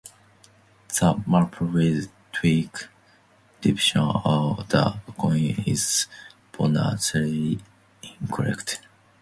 The maple twig depicted on the coin is botanically incorrect.